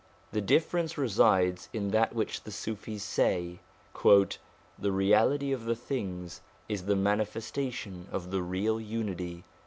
The difference resides in that which the Sufis say :' The reality of the things is the manifestation of the Real Unity.'